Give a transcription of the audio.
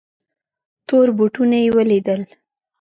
تور بوټونه یې ولیدل.